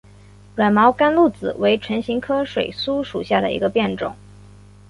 软毛甘露子为唇形科水苏属下的一个变种。